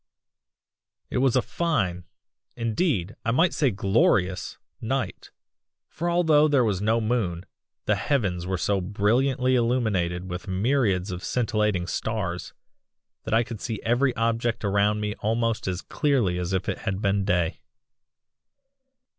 "It was a fine indeed, I might say glorious night, for although there was no moon, the heavens were so brilliantly illuminated with myriads of scintillating stars, that I could see every object around me almost as clearly as if it had been day.